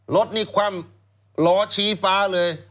รถนี่คว่ำล้อชี้ฟ้าเลย